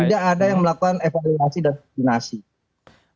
tidak ada yang melakukan evaluasi dan vaksinasi